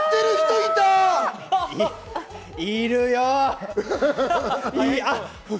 いるよ。